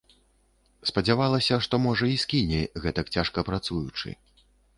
Спадзявалася, што, можа, і скіне, гэтак цяжка працуючы.